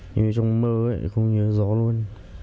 như trong mơ ấy không nhớ gió luôn